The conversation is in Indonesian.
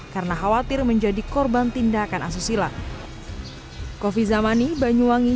karena khawatir menjadi korban tindakan asusila